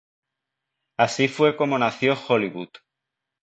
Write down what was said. Así fue como nació Hollywood.